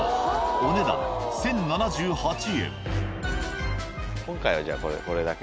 お値段１，０７８円。